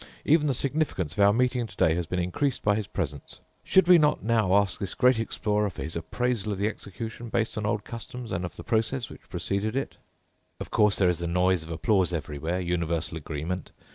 Even the significance of our meeting today has been increased by his presence. Should we not now ask this great explorer for his appraisal of the execution based on old customs and of the process which preceded it?' Of course, there is the noise of applause everywhere, universal agreement.